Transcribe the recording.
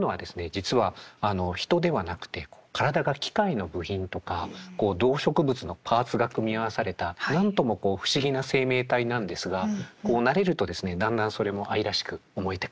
実はあの人ではなくて体が機械の部品とか動植物のパーツが組み合わされた何ともこう不思議な生命体なんですが慣れるとですねだんだんそれも愛らしく思えてくる。